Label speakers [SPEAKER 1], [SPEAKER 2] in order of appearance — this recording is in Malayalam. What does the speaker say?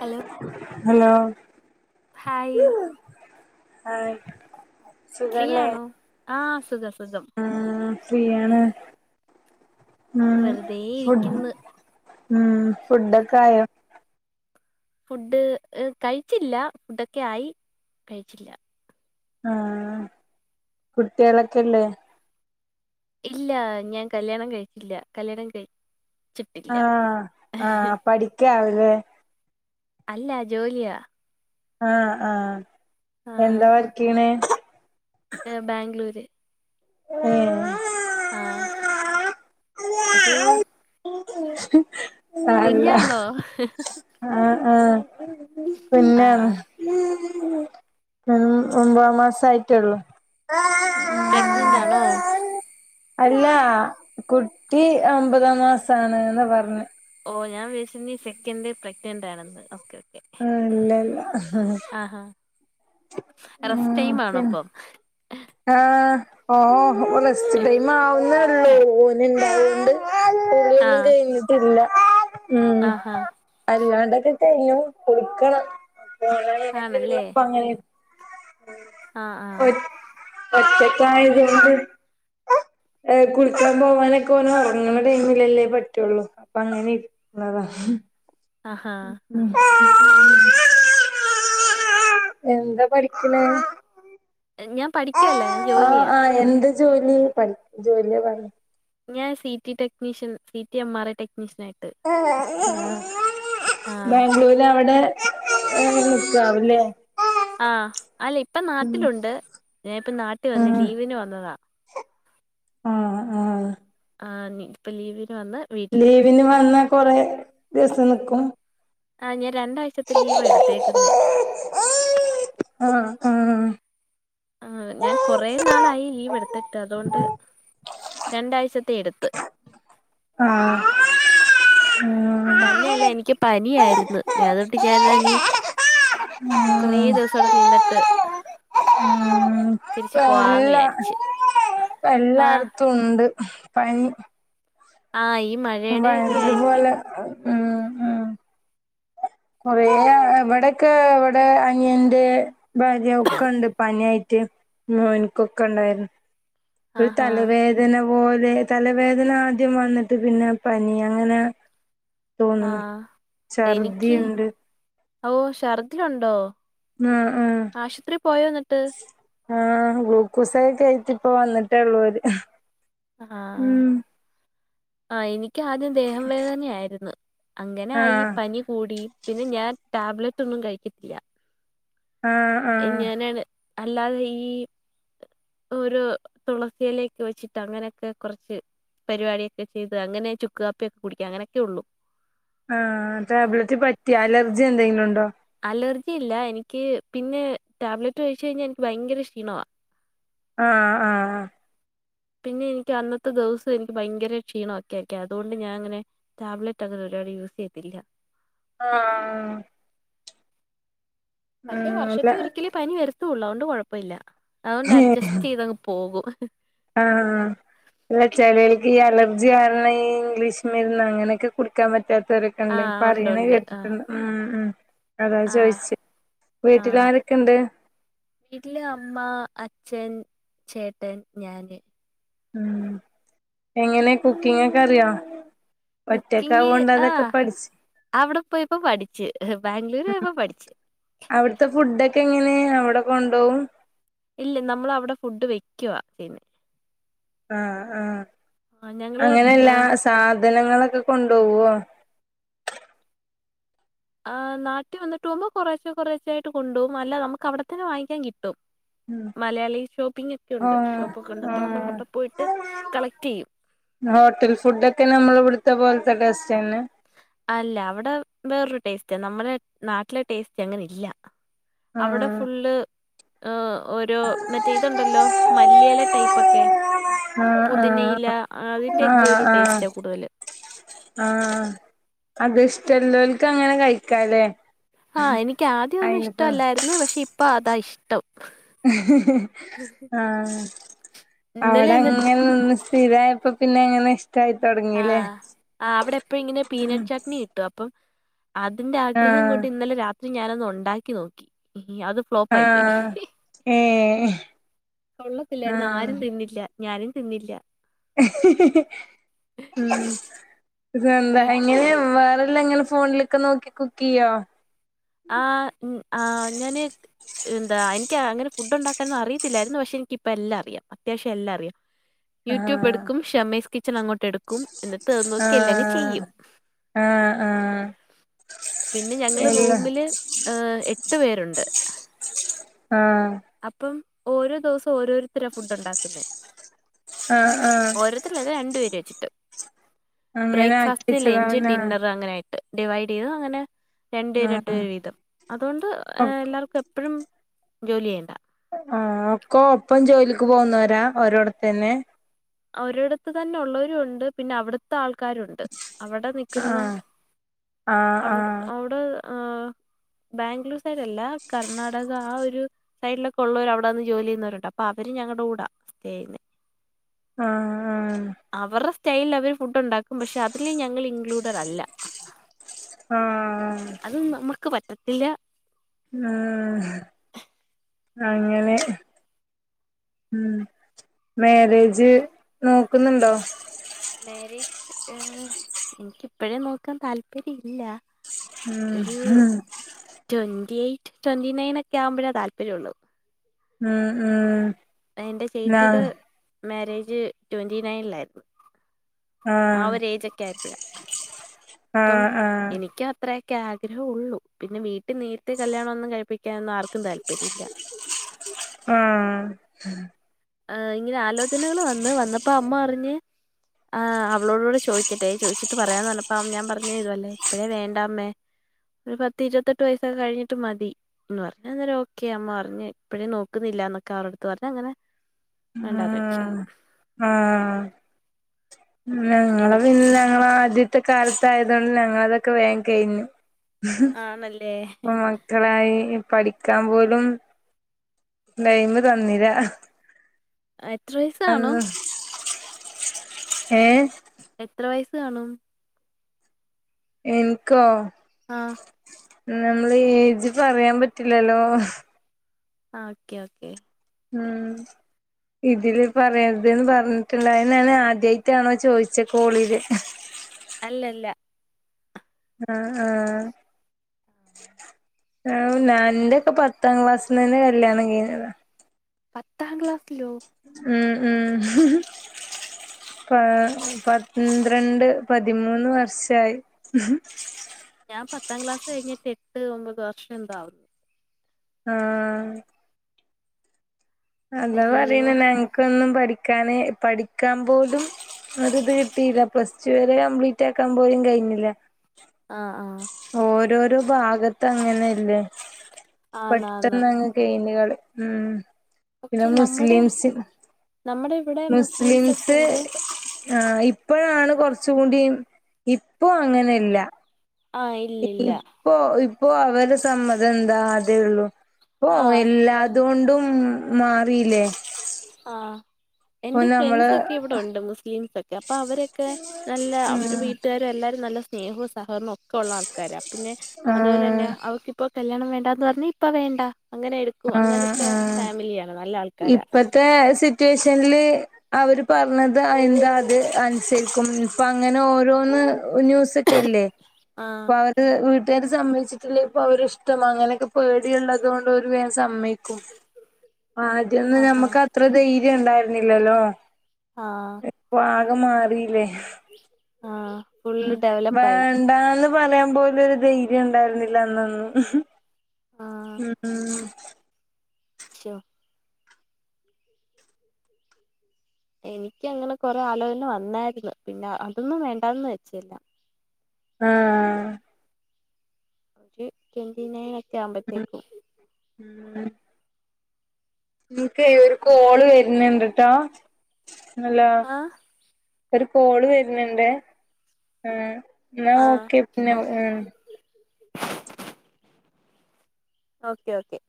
[SPEAKER 1] Hello
[SPEAKER 2] hello
[SPEAKER 1] hi.
[SPEAKER 2] Hi
[SPEAKER 1] free
[SPEAKER 2] സുഖല്ലേ
[SPEAKER 1] ആണോ? ആഹ് സുഖം സുഖം.
[SPEAKER 2] ആഹ്, ഫ്രീയാണ്.
[SPEAKER 1] എൻ-
[SPEAKER 2] ആഹ്,
[SPEAKER 1] വെറുതെ
[SPEAKER 2] ഫുഡ്
[SPEAKER 1] ഇരിക്കുന്നു
[SPEAKER 2] ഉം ഫുഡൊക്കെ ആയോ?
[SPEAKER 1] ഫുഡ് കഴിച്ചില്ല ഫുഡൊക്കെ ആയി കഴിച്ചില്ല.
[SPEAKER 2] ആഹ്, കുട്ടീളൊക്കല്ലേ?
[SPEAKER 1] ഇല്ല, ഞാൻ കല്യാണം കഴിച്ചില്ല കല്യാണം കഴി
[SPEAKER 2] ആഹ് ആഹ് പഠിക്കാവും ലെ.
[SPEAKER 1] അല്ല ജോലിയാ.
[SPEAKER 2] ആഹ് ആഹ് എന്താ
[SPEAKER 1] ആഹ്
[SPEAKER 2] വർക്കിയ്യ്ണ്?
[SPEAKER 1] ബാംഗ്ലൂര്.
[SPEAKER 2] ഉം
[SPEAKER 1] ആഹ് രൂ
[SPEAKER 2] [inaudible]
[SPEAKER 1] കുഞ്ഞാന്നോ ഹ് ഹ്.
[SPEAKER 2] ആഹ് ആഹ്
[SPEAKER 1] ആഹ്
[SPEAKER 2] കുഞ്ഞാണ്.
[SPEAKER 1] ആഹ്
[SPEAKER 2] ഉ ഒമ്പതാ മാസായിട്ടുള്ളു
[SPEAKER 1] പ്രഗ്നന്റാണോ
[SPEAKER 2] അല്ല കുട്ടി ഒമ്പതാം മാസാണ്ന്ന് പറഞ്ഞ്
[SPEAKER 1] ഓ ഞാൻ വിചാരിച്ച് നീ സെക്കന്റ്‌ ഡേ പ്രെഗ്നന്റ് ആണെന്ന് ഓക്കെ ഓക്കെ
[SPEAKER 2] ആഹ ഇല്ല ഇല്ല
[SPEAKER 1] ആഹ റസ്ടൈം ആണോപ്പം
[SPEAKER 2] ആഹ ഓ റെസ്റ്റ് ടൈം ആവുന് ഓന് ഉണ്ടയത്കൊണ്ട് ഫുഡ്‌
[SPEAKER 1] ആഹ
[SPEAKER 2] കഴിഞ്ഞിട്ടില്ല
[SPEAKER 1] ആഹാ
[SPEAKER 2] [inaudible] ഉണ്ടാക്കി കഴിഞ്ഞു കുറുക്കണം
[SPEAKER 1] ആണല്ലേ
[SPEAKER 2] [inaudible]
[SPEAKER 1] ആഹ് ആഹ്
[SPEAKER 2] ഒ ഒറ്റക്കായതുകൊണ്ട് ഏ കുളിക്കാൻ പോവാനൊക്കെ ഓന് ഉറങ്ങുന്ന ടൈമിലല്ലേ പറ്റുള്ളൂ അപ്പൊ അങ്ങനെ ആഹാ
[SPEAKER 1] ആ ഹാ
[SPEAKER 2] [inaudible] എന്താ പഠിക്കണെ
[SPEAKER 1] ഞാൻ പഠിക്കുവല്ല ഞാൻ
[SPEAKER 2] ആഹ്
[SPEAKER 1] ജോലിയാ
[SPEAKER 2] ആഹ് എന്ത് ജോലി പഠിക്കുന്ന ജോലിയ പറ
[SPEAKER 1] ഞാൻ C T technician C T M R I technician ആയിട്ട്
[SPEAKER 2] ആ ബാംഗ്ലൂര് അവിടെ [inaudible]
[SPEAKER 1] ആഹ അല്ല ഇപ്പ
[SPEAKER 2] ഉം
[SPEAKER 1] നാട്ടിലുണ്ട് ഞാനിപ്പ നാട്ടി വന്ന്
[SPEAKER 2] ആഹ്
[SPEAKER 1] ലീവിന് വന്നതാ
[SPEAKER 2] ആഹ ആഹ
[SPEAKER 1] ആ നീ ഇപ്പ ലീവിന് വന്ന് വീട്ടിലുണ്ട്
[SPEAKER 2] ലീവിന് വന്നാ കൊറേ ദിവസം നിക്കും
[SPEAKER 1] ആ ഞാൻ രണ്ടാഴ്ചത്തെ ലീവ എടുത്തേക്കുന്നെ
[SPEAKER 2] ആ മ്മ്
[SPEAKER 1] ആ ഞാൻ കുറെ നാളായി ലീവ് എടുത്തിട്ട് അതുകൊണ്ട്
[SPEAKER 2] ആഹ്
[SPEAKER 1] രണ്ടാഴ്ചത്തെ എടുത്ത്
[SPEAKER 2] ആാാാാാ
[SPEAKER 1] തന്നെയല്ല എനിക്ക് പനിയായിരുന്നു. ഞാൻതൊട്ട് ക്കാ നീ കുറെേ ദിവസം അവിടെ നിന്നിട്ട് തിരിച്ച് പോവാന്ന്
[SPEAKER 2] എല്ലാ
[SPEAKER 1] വിചാരിച്ച്
[SPEAKER 2] ഇപ്പ
[SPEAKER 1] ആഹ
[SPEAKER 2] എല്ലായിടത്തും ഉണ്ട് പനി
[SPEAKER 1] ആ ഈ മഴ
[SPEAKER 2] [inaudible] കൊറേ എവിടൊക്കെ ഇവിടെ അനിയ ന്റെ ഭാര്യ ഒക്കെ ഉണ്ട് പനായിട്ട് മോനിക്കൊക്കെ ഉണ്ടായിരുന്നു ഒരു
[SPEAKER 1] ആഹാ
[SPEAKER 2] തലവേദന പോലെ തലവേദന ആദ്യം വന്നിട്ട് പിന്നെ പനി അങ്ങനെ
[SPEAKER 1] ആ
[SPEAKER 2] തോന്നുന്നു
[SPEAKER 1] എനിക്ക്
[SPEAKER 2] ഛർദിയുണ്ട്
[SPEAKER 1] ഓ ഷർദിയുണ്ടോ
[SPEAKER 2] ആഹ് ആഹ് ആഹ ഗ്ലൂക്കോസൊക്കെ കേറ്റി ഇപ്പ വന്നിട്ടേള്ളൂഓര്
[SPEAKER 1] ആഹ ആഹ എനിക്ക് ആദ്യം ദേഹം വേദനയായിരുന്നു അങ്ങനെ ആയി
[SPEAKER 2] ആഹ്
[SPEAKER 1] പനി കൂടി പിന്നെ ഞാൻ ടാബ്ലറ്റ് ഒന്നും കഴിക്കത്തില്ല
[SPEAKER 2] ആഹ
[SPEAKER 1] എ ഞാനാണ് അല്ലാതെ ഈ ഓരോ തുളസിയിലേക്ക് വെച്ചിട്ട് അങ്ങനെയൊക്കെ കുറച്ച് പരിപാടിയൊക്കെ ചെയ്ത് അങ്ങനെ ചുക്ക് കാപ്പിയൊക്കെ കുടിക്കു അങ്ങനൊക്കെ ഉള്ളു
[SPEAKER 2] ആഹ ടാബ്ലറ്റ് പറ്റി അലർജി എന്തെങ്കിലും ഉണ്ടോ
[SPEAKER 1] അലർജി ഇല്ല. എനിക്ക് പിന്നെ ടാബ്ലറ്റ് കഴിച്ച് കഴിഞ്ഞാ എനിക്ക് ഭയങ്കര ക്ഷീണവാ
[SPEAKER 2] ആഹ് ആഹ്
[SPEAKER 1] പിന്നെ എനിക്ക് അന്നത്തെ ദിവസം എനിക്ക് ഭയങ്കര ക്ഷീണവൊക്കെ അക്കെ അതുകൊണ്ട് ഞാൻ അങ്ങനെ ടാബ്ലറ്റ് അങ്ങനെ ഒരുപാട് യൂസ് ചെയ്യത്തില്ല
[SPEAKER 2] ആഹ്
[SPEAKER 1] പക്ഷെ
[SPEAKER 2] ആഹ് അല്ല
[SPEAKER 1] വർഷത്തി ഒരിക്കലേ പനി വെരുത്തൊള്ളൂ അതൊണ്ട് കൊഴപ്പില്ല അതുകൊണ്ട് അഡ്ജസ്റ്റ് ചെയ്തങ്ങ് പോകും
[SPEAKER 2] ആഹ് അല്ല ചെലർക്ക് ഈ അലർജി കാരണം ഈ ഇംഗ്ലീഷ് മരുന്ന് അങ്ങനെയൊക്കെ കുടിക്കാൻ പറ്റാത്തര് ണ്ട്
[SPEAKER 1] ആഹ് ഉണ്ട്
[SPEAKER 2] പറയണ
[SPEAKER 1] ഉണ്ട് ആഹ്
[SPEAKER 2] കേട്ടിട്ടുണ്ട് ഉം ഉം അതാ
[SPEAKER 1] ആഹ്
[SPEAKER 2] ചോയിചേ വീട്ടിൽ
[SPEAKER 1] ആഹ്
[SPEAKER 2] ആരൊക്കെണ്ട്
[SPEAKER 1] വീട്ടില് അമ്മ അച്ഛൻ ചേട്ടന് ഞാന്
[SPEAKER 2] ഉം എങ്ങനെ കുക്കിംഗ്‌ ഒക്കെ അറിയോ
[SPEAKER 1] കുക്കിംഗ്‌
[SPEAKER 2] ഒറ്റക്കാവോണ്ട് അതൊക്കെ
[SPEAKER 1] ആഹ്
[SPEAKER 2] പഠിച്ച്
[SPEAKER 1] അവിടെ പോയപ്പോ പഠിച്ച് ബാംഗ്ലൂര് പോയപ്പോ പഠിച്ച്
[SPEAKER 2] അവിടുത്തെ ഫുഡൊക്കെ എങ്ങനെ അവിടെ കൊണ്ടോവും
[SPEAKER 1] ഇല്ല നമ്മൾ അവിടെ ഫുഡ് വെക്കുവാ ചെയ്യുന്നേ
[SPEAKER 2] ആഹ് ആഹ്
[SPEAKER 1] ആഹ് ഞങ്ങള്
[SPEAKER 2] അങ്ങനെ എല്ലാ
[SPEAKER 1] ഏഹ്
[SPEAKER 2] സാധനങ്ങളൊക്കെ കൊണ്ടോവ്വോ
[SPEAKER 1] ആഹ് നാട്ടി വന്നട്ട് പോവുമ്പോ കൊറേശെ കൊറേശെ ആയിട്ട് കൊണ്ടോവും. അല്ല നമുക്ക് അവിടെ തന്നെ വാങ്ങിക്കാൻ കിട്ടും മലയാളി ഷോപ്പിംഗ് ഒക്കെ ഉണ്ട്.
[SPEAKER 2] ആഹ്
[SPEAKER 1] ഷോപ്പൊക്കെണ്ട് അപ്പൊ നമ്മൾ
[SPEAKER 2] ആഹ്
[SPEAKER 1] അവിടെ പോയിട്ട് കളക്ടയ്യും
[SPEAKER 2] ഹോട്ടൽ ഫുടൊക്കെ നമ്മൾ ഇവിടത്തെ പോലത്തെ ടേസ്റ്റന്നേ
[SPEAKER 1] അല്ല അവിടെ വേറൊരു ടേസ്റ്റ നമ്മുടെ നാട്ടിലെ ടേസ്റ്റ് അങ്ങനില്ല അവിടെ
[SPEAKER 2] ആഹ്
[SPEAKER 1] ഫുള്ള് ആഹ് ഓരോ മറ്റേ ഇതുണ്ടല്ലോ മല്ലിയില ടൈപ്പൊക്കെ
[SPEAKER 2] ആഹ് ആഹ്
[SPEAKER 1] പുതിനയില അതിന്റെയൊക്കെ
[SPEAKER 2] ആഹ്
[SPEAKER 1] ഒരു
[SPEAKER 2] ആഹ്
[SPEAKER 1] ടേസ്റ്റ കൂടുതല്
[SPEAKER 2] ആഹ് അതിഷ്ട്ടളോൽക്കങ്ങനെ കഴിക്കാലേ
[SPEAKER 1] ആഹ് എനിക്ക് ആദ്യയൊന്നും ഇഷ്ടല്ലായിരുന്നു പക്ഷെ ഇപ്പ അതാ ഇഷ്ട്ടം
[SPEAKER 2] ആഹ്
[SPEAKER 1] ഇന്നലെ
[SPEAKER 2] അവിടെ
[SPEAKER 1] എന്നിട്ട്
[SPEAKER 2] അങ്ങനന്ന് ഇതായപ്പ പിന്നെങ്ങനെ ട്ടായി തൊ
[SPEAKER 1] ആഹ് ആഹ് അവിടെ ഇപ്പ ഇങ്ങനെ
[SPEAKER 2] ഉം
[SPEAKER 1] പീനട്ട് ചട്ട്നി അപ്പം അതിന്റെ ആഗ്രഹം
[SPEAKER 2] ആഹ്
[SPEAKER 1] കൊണ്ട് ഇന്നലെ രാത്രി ഞാനത് ഒണ്ടാക്കി നോക്കി അത് ഫ്ലോപ്പായി പോയി
[SPEAKER 2] ആഹ് ഏഹ്
[SPEAKER 1] കൊള്ളത്തില്ലാരുന്ന്
[SPEAKER 2] ആഹ്
[SPEAKER 1] ആരും തിന്നില്ല ഞാനും തിന്നില്ല
[SPEAKER 2] ഉം ഇത് എന്താ
[SPEAKER 1] യൂ
[SPEAKER 2] ഇങ്ങനെ വേറെല്ലാം ഇങ്ങനെ ഫോണിലൊക്കെ നോക്കി കുക്ക് ചെയ്യോ
[SPEAKER 1] ആഹ് ഉം ആഹ് ഞാന് എന്താ എനിക്ക് അങ്ങനെ എന്താ എനിക്കങ്ങനെ ഫുടൊണ്ടാക്കാനൊന്നും അറിയത്തില്ലാരുന്നു പക്ഷേ എനിക്കിപ്പോ എല്ലാ അറിയാം അത്യാശ്യം എല്ലാറിയാം യൂട്യൂബ്
[SPEAKER 2] ആഹ്
[SPEAKER 1] എടുക്കും ഷമീസ് കിച്ചൺ അങ്ങോട്ട് എടുക്കും. എന്നിട്ട് അത് നോക്കി എല്ലാങ്
[SPEAKER 2] ആഹ്
[SPEAKER 1] ചെയ്യും
[SPEAKER 2] ആഹ് ആഹ്
[SPEAKER 1] പിന്നെ ഞങ്ങള്
[SPEAKER 2] ഇല്ല
[SPEAKER 1] റൂമില് എട്ടു പേരുണ്ട്
[SPEAKER 2] ആഹ്
[SPEAKER 1] അപ്പം ഓരോ ദിവസം ഓരോരുത്തര ഫുഡ് ഉണ്ടാക്കുന്നേ
[SPEAKER 2] ആഹ് ആഹ്
[SPEAKER 1] ഓരോരുത്തരല്ല രണ്ട് പേര് വെച്ചിട്ട്.
[SPEAKER 2] അങ്ങനെ ആക്കി
[SPEAKER 1] ബ്രേക്ക്ഫാസ്റ്റ് ലഞ്ച്
[SPEAKER 2] വെച്ചതാവനാ
[SPEAKER 1] ഡിന്നർ അങ്ങനെ ഡിവൈടെയ്തു അങ്ങനെ രണ്ട്വേര്
[SPEAKER 2] ആഹ്
[SPEAKER 1] രണ്ട്വേര് വീതം അതോണ്ട്
[SPEAKER 2] ഒ
[SPEAKER 1] എല്ലാർക്കും എപ്പഴും ജോലി ചെയ്യണ്ട
[SPEAKER 2] ആഹ് ഒക്കൊ ഒപ്പം ജോലിക്ക് പോന്നോരാ ഓരോടതന്നെ
[SPEAKER 1] ഒരടത്ത് തന്നെ ഒള്ളോരും ഉണ്ട് പിന്നെ അവിടുത്തെ ആൾക്കാരുണ്ട് അവിടെ നിക്കുന്ന
[SPEAKER 2] ആഹ്
[SPEAKER 1] അ
[SPEAKER 2] ആഹ്
[SPEAKER 1] അവിടെ ആഹ് ബാംഗ്ലൂർ സൈടല്ല കർണാടക ആ ഒരു സൈഡിലൊക്കെ ഒള്ളോര് അവിടന്ന് ജോലി ചെയ്യുന്നൊരുണ്ട്. അപ്പൊ അവര് ഞങ്ങടൂടാ സ്റ്റേ ചെയ്യന്നെ
[SPEAKER 2] ആഹ് ആഹ്
[SPEAKER 1] അവരുടെ സ്റ്റൈലിൽ അവര് ഫുഡ് ഉണ്ടാക്കും പക്ഷെ അതിൽ ഞങ്ങൾ ഇൻക്ലൂഡഡ് അല്ല.
[SPEAKER 2] ആഹ്
[SPEAKER 1] അതും നമ്മക്ക് പറ്റത്തില്ല.
[SPEAKER 2] ഉം അങ്ങനെ, ഉം മാരേജ് നോക്കുന്നുണ്ടോ?
[SPEAKER 1] മാരേജ് എനിക്കിപ്പഴേ നോക്കാൻ താൽപര്യം ഇല്ല.
[SPEAKER 2] ഉം
[SPEAKER 1] ഒരു
[SPEAKER 2] ഉം
[SPEAKER 1] ട്വന്റി എയ്റ്റ്, ട്വന്റി നൈൻ ഒക്കെ ആവുമ്പോള താല്പര്യഉള്ളെ
[SPEAKER 2] ഉം ഉം
[SPEAKER 1] എന്റെ ചേച്ചിയുടെ
[SPEAKER 2] [unintelligible]
[SPEAKER 1] മാരേജ് ട്വന്റി നയനിലായിരുന്നു. ആ
[SPEAKER 2] ആഹ്
[SPEAKER 1] ഒരു ഏജൊക്കെ ആയപ്പഴാ അപ്പം
[SPEAKER 2] ആഹ്
[SPEAKER 1] എനിക്ക്- അത്രയൊക്കെ ആഗ്രഹോള്ളൂ. പിന്നെ വീട്ടിൽ നേരത്തെ കല്യാണമൊന്നും കഴിപ്പിക്കാനൊന്നും ആർക്കും താല്പര്യമില്ല.
[SPEAKER 2] ആഹ്
[SPEAKER 1] ആ ഇങ്ങനെ ആലോചനകൾ വന്ന് വന്നപ്പോ അമ്മ പറഞ്ഞ് ആഹ് അവളോട് കൂടെ ചോദിക്കട്ടെ ചോദിച്ചിട്ട് പറയാന്ന് പറഞ്ഞപ്പ ഞാൻ പറഞ്ഞ് ഇതുപോലെ ഇപ്പഴേ വേണ്ടാ അമ്മേ ഒരു പത്തി ഇരുപത്തെട്ട് വയസ്സോക്കെ കഴിഞ്ഞിട്ട് മതി. ഇ പറഞ്ഞ അന്നേരം ഓക്കെ അമ്മ പറഞ്ഞ് ഇപ്പഴേ നോക്കുന്നില്ല എന്നൊക്കെ അവരോടുത്ത് പറഞ് അങ്ങനെ വേണ്ടാന്ന് വെച്ചു
[SPEAKER 2] ഉം ആ ആഹ ഉം ഞങ്ങള
[SPEAKER 1] ഇനി
[SPEAKER 2] പിന്നെ ഞങ്ങള ആദ്യത്തെ കാലത്തായതുകൊണ്ട് ഞങ്ങളതൊക്കെ വേഗം കഴിഞ്ഞു. [unintelligible]
[SPEAKER 1] ആണല്ലേ
[SPEAKER 2] മക്കളായി പഠിക്കാൻ പോലും ടൈം തന്നില്ല.
[SPEAKER 1] എത്ര വയസ്സ്
[SPEAKER 2] അന്ന്
[SPEAKER 1] കാണും
[SPEAKER 2] ഏഹ്,
[SPEAKER 1] എത്ര വയസ്സ് കാണും?
[SPEAKER 2] എൻക്കോ?
[SPEAKER 1] ആഹ്
[SPEAKER 2] നമ്മൾ ഏജ് പറയാൻ പറ്റില്ലല്ലോ?
[SPEAKER 1] ആ ഓക്കെ ഓക്കെ
[SPEAKER 2] ഉം ഇതില് പറയരുതെന്ന് പറഞ്ഞിട്ടുണ്ടായിരുന്നേ ഞാൻ ആദ്യമായിയിട്ടാണോ ന്ന് ചോദിചേ കോളില്.
[SPEAKER 1] അല്ലല്ല
[SPEAKER 2] ആഹ് ആഹ് ആ ഞാൻ ന്റെ ഒക്കെ പത്താം ക്ലാസ്സിൽ ന്നെ കല്യാണം കഴിഞ്ഞത.
[SPEAKER 1] പത്താം ക്ലാസ്സിലോ?
[SPEAKER 2] ഉം ഉം പാ, പന്ത്രണ്ട് പതിമൂന്ന് വർഷായി.
[SPEAKER 1] ഞാൻ പത്താം ക്ലാസ് കഴിഞ്ഞിട്ട് എട്ട് ഒൻമ്പത് വർഷം എന്തോ ആവും.
[SPEAKER 2] ആഹ് അതാ പറയണ
[SPEAKER 1] അയ്യോ
[SPEAKER 2] ഞങ്ങക്കൊന്നും പഠിക്കാന് പഠിക്കാൻ പോലും- ഒരിത് കിട്ടിയില്ല പ്ലസ് ടു വരെ കംപ്ലീറ്റ് ആക്കാൻ പോലും കഴിഞ്ഞില്ല.
[SPEAKER 1] ആഹ് ആഹ്
[SPEAKER 2] ഓരോരോ ഭാഗത്ത് അങ്ങനല്ലേ?
[SPEAKER 1] ആന്നാന്ന്
[SPEAKER 2] പെട്ടെന്ന് അങ്ങ്- കഴിഞ്ഞ് [unintelligible] പിന്നെ
[SPEAKER 1] പക്ഷെ നമ്മുടെ
[SPEAKER 2] മുസ്ലിംസ്
[SPEAKER 1] നമ്മടെ ഇവിടെ ഒക്കെ
[SPEAKER 2] മുസ്ലിംസ്
[SPEAKER 1] ഉണ്ട്
[SPEAKER 2] ആഹ് ഇപ്പഴാണ് കൊറച്ചു കൂടി ഇപ്പ അങ്ങനെല്ല.
[SPEAKER 1] ആഹ് ഇല്ല ഇല്ല
[SPEAKER 2] ഇപ്പൊ ഇപ്പോ അവരെ സമ്മതം എന്താ അതേ ഉള്ളൂ ഇപ്പൊ
[SPEAKER 1] ആഹ്
[SPEAKER 2] എല്ലാ- എല്ലതു കൊണ്ടും മാറില്ലേ?
[SPEAKER 1] ആഹ് എന്റെ
[SPEAKER 2] നമ്മള്
[SPEAKER 1] ഫ്രണ്ട്സ് ഒക്കെ ഇവിടെ ഉണ്ട് മുസ്ലിംസ്. അപ്പൊ അവരൊക്കെ നല്ല അവരു
[SPEAKER 2] ആഹ്
[SPEAKER 1] വീട്ടുകാരും എല്ലാവരും നല്ല സ്നേഹവും സഹകരണവും ഒക്കെ ഉള്ള ആൾക്കാരാ. പിന്നെ
[SPEAKER 2] ആഹ്
[SPEAKER 1] അതുപോലെ തന്നെ അവക്കിപ്പൊ കല്യാണം വേണ്ടന്ന് പറഞ്ഞ ഇപ്പം വേണ്ട അങ്ങനെയിരിക്കും
[SPEAKER 2] ആഹ്
[SPEAKER 1] അങ്ങനത്തെ
[SPEAKER 2] ആഹ്
[SPEAKER 1] ഫാമിലിയാ
[SPEAKER 2] ഇപ്പത്തെ സിറ്റുവേഷനില് അവര് പറഞ്ഞത് എന്താ അത് അനുസരിക്കും ഇപ്പം അങ്ങനെ ഓരോന്ന് ന്യൂസ് ക്കില്ലേ
[SPEAKER 1] ആഹ്
[SPEAKER 2] ഇപ്പ വീട്ടുകാര് സമ്മദിച്ചിട്ടില്ലേ ഇപ്പൊ അവരിഷ്ട്ടമാ അങ്ങനെയൊക്കെ പേടിയുള്ളത് കൊണ്ട് അവര് വേഗം സമ്മയ് ക്കും ആദ്യ ഒന്നും
[SPEAKER 1] ആഹാ
[SPEAKER 2] നമ്മുക്ക് അത്ര ധൈര്യം ഉണ്ടായിരുന്നില്ലല്ലോ
[SPEAKER 1] ആഹ്
[SPEAKER 2] ഇപ്പോ ആകെ മാറില്ലേ
[SPEAKER 1] ആഹ് ഫുള്ള് ഡെവലപ്പായി
[SPEAKER 2] വേണ്ടാന്ന് പറയാൻ പോലും ഒരു ധൈര്യം ഉണ്ടായിരുന്നില്ല അന്നൊന്നും
[SPEAKER 1] ആഹ്
[SPEAKER 2] ഉം
[SPEAKER 1] ശോ എനിക്ക് അങ്ങനെ കൊറേ ആലോചന വന്നായിരുന്ന് പിന്നെ അതൊന്നും വേണ്ടാന്ന് വെച്ചില്ല
[SPEAKER 2] ആഹ്
[SPEAKER 1] ഒരു ട്വന്റി നയൻ ഒക്കെ ആവുമ്പോഴത്തേക്കും
[SPEAKER 2] ഉം നിക്ക് ഒരു കോള് വരുന്നുണ്ട് ട്ടാ ഹലോ
[SPEAKER 1] ആഹ്
[SPEAKER 2] ഒരു കോള് വരുന്നുണ്ടെ ആ എന്നാ
[SPEAKER 1] ആഹ്
[SPEAKER 2] ഓക്കെ പിന്നെ
[SPEAKER 1] ഓ ഓക്കെ ഓക്കെ